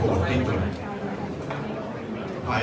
ขอบคุณครับ